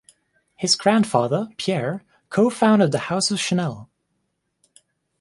His grandfather, Pierre, co-founded the House of Chanel.